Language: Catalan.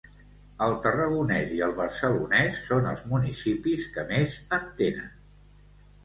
El Tarragonès i el Barcelonès són els municipis que més en tenen.